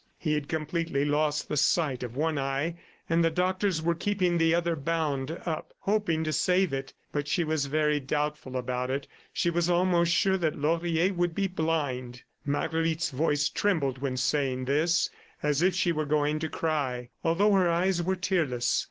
He had completely lost the sight of one eye; and the doctors were keeping the other bound up hoping to save it. But she was very doubtful about it; she was almost sure that Laurier would be blind. Marguerite's voice trembled when saying this as if she were going to cry, although her eyes were tearless.